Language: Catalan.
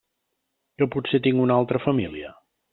Que potser tinc una altra família?